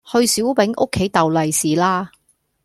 去小丙屋企逗利是啦